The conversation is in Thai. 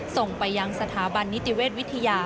ส่งไปยังสถาบันนิติเวชวิทยา